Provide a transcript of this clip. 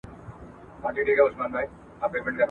زه نه پوهېږم چې پیسې څنګه ورکړم.